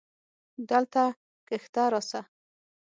دلته کښته راسه.